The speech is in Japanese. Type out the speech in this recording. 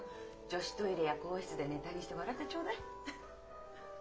女子トイレや更衣室でネタにして笑ってちょうだい。